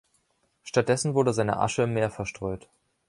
Stattdessen wurde seine Asche im Meer verstreut.